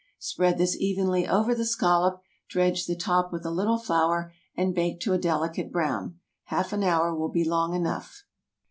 Spread this evenly over the scallop, dredge the top with a little flour, and bake to a delicate brown. Half an hour will be long enough.